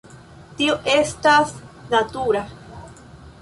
Tio estas natura.